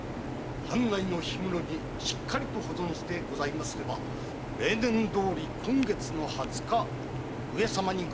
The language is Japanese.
藩内の氷室にしっかりと保存してございますれば例年どおり今月の二十日上様にご献上の手筈にございます。